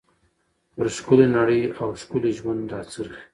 پر ښکلى نړۍ او ښکلي ژوند را څرخي.